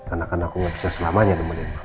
karena aku gak bisa selamanya nemenin mama